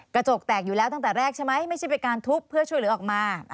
กระจกแตกอยู่แล้วตั้งแต่แรกใช่ไหมไม่ใช่เป็นการทุบเพื่อช่วยเหลือออกมา